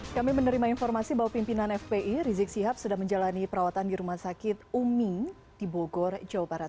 kami menerima informasi bahwa pimpinan fpi rizik sihab sudah menjalani perawatan di rumah sakit umi di bogor jawa barat